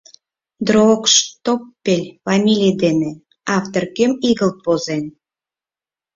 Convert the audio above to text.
Дроогштоппель фамилий дене автор кӧм игылт возен?